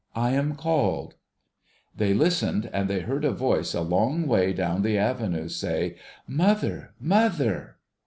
' I am called.' They listened, and they heard a voice a long way down the avenue, say, ' Mother, mother